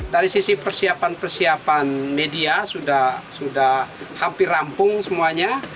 dari sisi persiapan persiapan media sudah hampir rampung semuanya